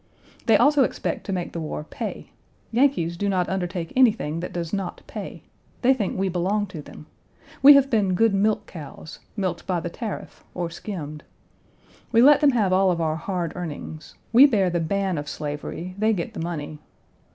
They also expect to make the war pay. Yankees do not undertake anything that does not pay. They think we belong to them. We have been good milk cows milked by the tariff, or skimmed. We let them have all of our hard earnings. We bear the ban of slavery; they get the money.